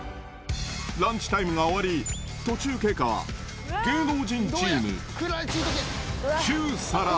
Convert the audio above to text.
ランチタイムが終わり、途中経過は芸能人チーム９皿。